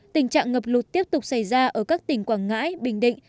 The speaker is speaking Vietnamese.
tình trạng ngập lụt tiếp tục xảy ra ở các tỉnh quảng ngãi bình định